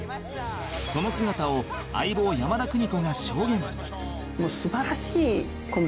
その姿を相棒山田邦子が証言